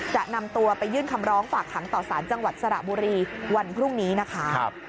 จะนำตัวไปยื่นคำร้องฝากขังต่อสารจังหวัดสระบุรีวันพรุ่งนี้นะคะ